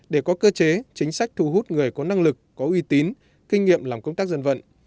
để có cơ chế chính sách thu hút người có năng lực có uy tín kinh nghiệm làm công tác dân vận